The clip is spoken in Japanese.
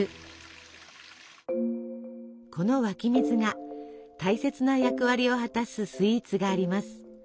この湧き水が大切な役割を果たすスイーツがあります。